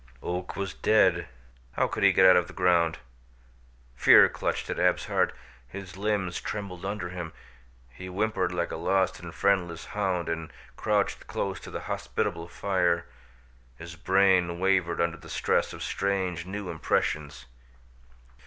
Oak was dead. How could he get out of the ground? Fear clutched at Ab's heart, his limbs trembled under him. He whimpered like a lost and friendless hound and crouched close to the hospitable fire. His brain wavered under the stress of strange new impressions.